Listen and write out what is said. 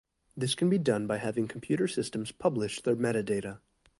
This can be done by having computer systems publish their metadata.